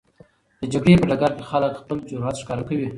د جګړې په ډګر کې خلک خپل جرئت ښکاره کوي.